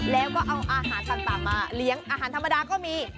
แล้วก็เอาอาหารต่างมาเลี้ยงอาหารธรรมดาก็มี